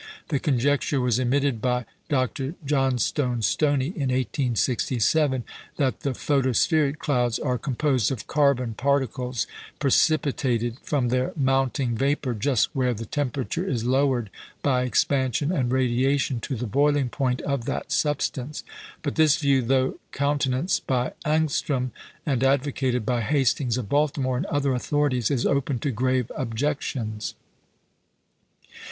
The conjecture was emitted by Dr. Johnstone Stoney in 1867 that the photospheric clouds are composed of carbon particles precipitated from their mounting vapour just where the temperature is lowered by expansion and radiation to the boiling point of that substance. But this view, though countenanced by Ångström, and advocated by Hastings of Baltimore, and other authorities, is open to grave objections.